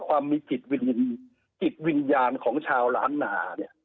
ความมีกิจวิญญาณของชาวล้านนา